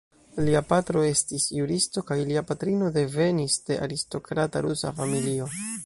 Lia patro estis juristo kaj lia patrino devenis de aristokrata rusa familio.